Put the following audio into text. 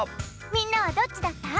みんなはどっちだった？